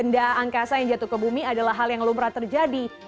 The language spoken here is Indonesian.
ya angkasa yang jatuh ke bumi adalah hal yang belum pernah terjadi